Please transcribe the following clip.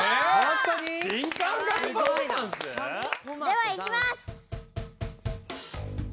ではいきます！